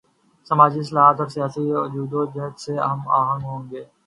سماجی اصلاحات اور سیاسی جد و جہد کیسے ہم آہنگ ہوںگے؟